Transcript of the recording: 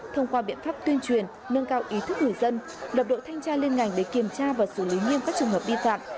thông qua biện pháp tuyên truyền nâng cao ý thức người dân lập đội thanh tra liên ngành để kiểm tra và xử lý nghiêm các trường hợp vi phạm